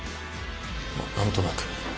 まあ何となく。